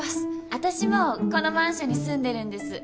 わたしもこのマンションに住んでるんです。